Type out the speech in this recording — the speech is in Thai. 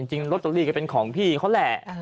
จริงลอตเตอรี่ก็เป็นของพี่เขาแหละ